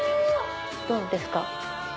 どうですか？